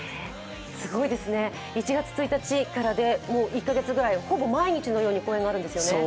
１月１日からでもう１カ月ぐらい、ほぼ毎日のように公演があるんですよね。